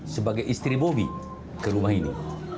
sebagai istri bobi ke rumah ini